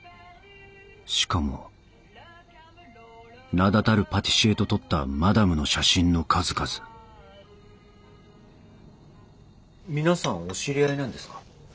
しかも名だたるパティシエと撮ったマダムの写真の数々皆さんお知り合いなんですか？